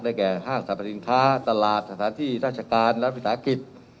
ได้แก่ภาคสรรพริมค้าตลาดสถานที่ราชการและภิกษาอักษ์